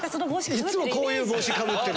いつもこういう帽子かぶってる。